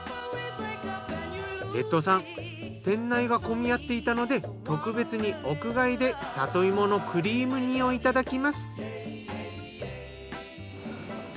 レッドさん店内がこみ合っていたので特別に屋外で里芋のクリーム煮をいただきます。